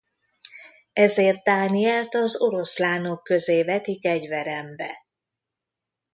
Ezért Dánielt az oroszlánok közé vetik egy verembe.